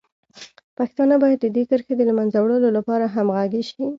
پښتانه باید د دې کرښې د له منځه وړلو لپاره همغږي شي.